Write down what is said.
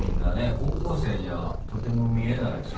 高校生にはとても見えないですね